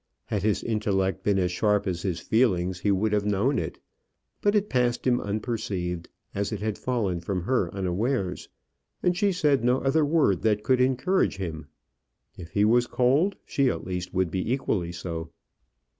Had his intellect been as sharp as his feelings, he would have known it. But it passed him unperceived, as it had fallen from her unawares: and she said no other word that could encourage him. If he was cold, she at least would be equally so.